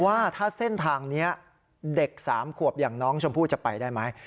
ว่าถ้าเส้นทางนี้เด็ก๓ขวบอย่างน้องชมพู่จะไปได้ไหม